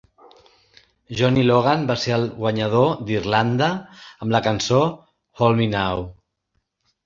Johnny Logan va ser el guanyador d'Irlanda amb la cançó "Hold Me Now".